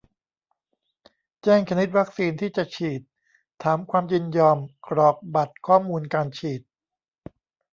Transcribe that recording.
แจ้งชนิดวัคซีนที่จะฉีด ถามความยินยอม กรอกบัตรข้อมูลการฉีด